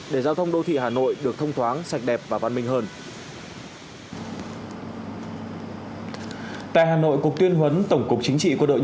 để giao thông đô thị hà nội được thông thoáng sạch đẹp và văn minh hơn